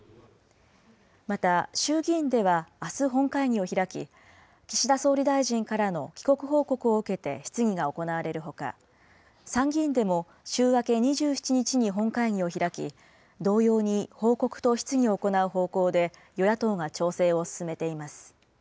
また、衆議院ではあす本会議を開き、岸田総理大臣からの帰国報告を受けて質疑が行われるほか、参議院でも週明け２７日に本会議を開き、同様に報告と質疑を行う方向で与野党が調整を進めています。